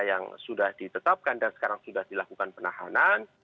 yang sudah ditetapkan dan sekarang sudah dilakukan penahanan